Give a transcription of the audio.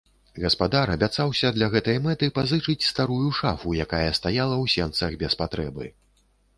Гаспадар абяцаўся для гэтай мэты пазычыць старую шафу, якая стаяла ў сенцах без патрэбы.